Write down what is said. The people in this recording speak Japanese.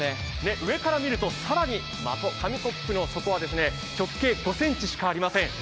上から見ると的の紙コップの底は直径５ｃｍしかありません。